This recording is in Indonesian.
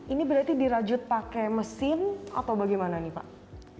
ini berarti dirajut pakai mesin atau bagaimana nih pak